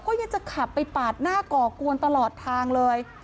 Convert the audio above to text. ยังจะขับไปปาดหน้าก่อกวนตลอดทางเลย